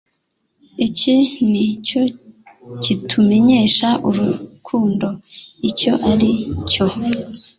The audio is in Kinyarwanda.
«Iki ni cyo kitumenyesha urukundo icyo ari cyo,